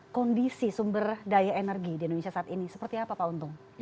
kondisi sumber daya energi di indonesia saat ini seperti apa pak untung